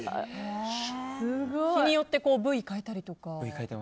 日によって部位変えたりとか？